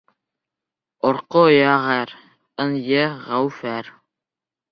Орҡоя ғәр. ынйы, гәүһәр;